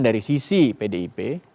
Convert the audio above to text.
dari sisi pdip